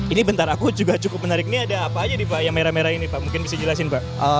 ini bentar aku juga cukup menarik ini ada apa aja nih pak yang merah merah ini pak mungkin bisa jelasin pak